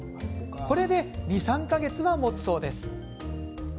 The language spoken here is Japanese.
これで２、３か月はもつそうです。